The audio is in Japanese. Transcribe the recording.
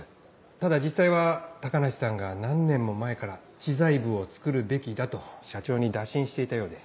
ただ実際は高梨さんが何年も前から知財部をつくるべきだと社長に打診していたようで。